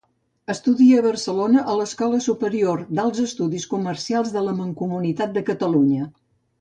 Estudia a Barcelona a l'Escola Superior d'Alts Estudis Comercials de la Mancomunitat de Catalunya.